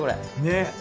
ねっ。